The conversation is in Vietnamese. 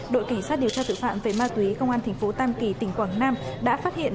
đội kỳ sát điều tra tử phạm về ma túy công an tp tam kỳ tỉnh quảng nam đã phát hiện